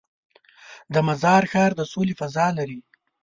د مزار ښار د سولې فضا لري.